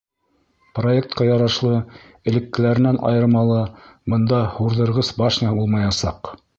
Проектҡа ярашлы, элеккеләренән айырмалы, бында һурҙырғыс башня булмаясаҡ.